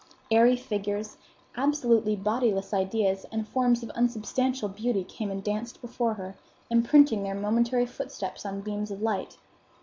Airy figures, absolutely bodiless ideas, and forms of unsubstantial beauty came and danced before her, imprinting their momentary footsteps on beams of light.